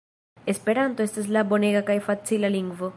Esperanto estas la bonega kaj facila lingvo.